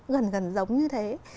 gần gần giống như thế